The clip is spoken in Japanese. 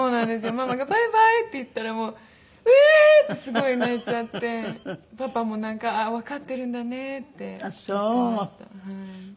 ママが「バイバイ」って言ったら「えーん！」ってすごい泣いちゃってパパもなんか「わかってるんだね」って言ってました。